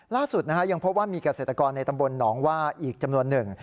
ล่าสุดยังพบว่ามีเกษตรกรในตำบลหนองว่าอีกจำนวนหนึ่ง